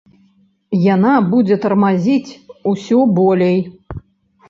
Яна будзе тармазіць усё болей.